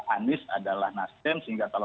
anies adalah nasdem sehingga kalau